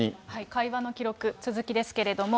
会話の記録、続きですけれども。